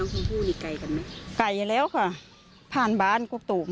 แม่ไปทิ้งน้องเข้าขนม